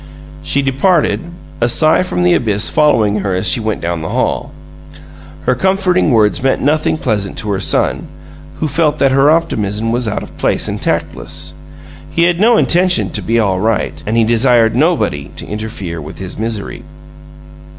She departed, a sigh from the abyss following her as she went down the hall. Her comforting words meant nothing pleasant to her son, who felt that her optimism was out of place and tactless. He had no intention to be "all right," and he desired nobody to interfere with his misery.